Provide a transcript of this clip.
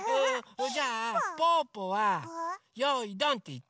それじゃあぽぅぽは「よいどん」っていって。